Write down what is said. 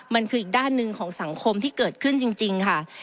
มันคืออีกด้านหนึ่งของสังคมที่เกิดขึ้นจริงค่ะ